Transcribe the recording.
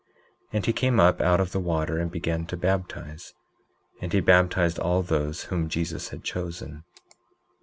19:12 And he came up out of the water and began to baptize. And he baptized all those whom Jesus had chosen.